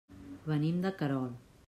Venim de Querol.